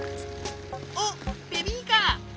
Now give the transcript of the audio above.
あっベビーカー！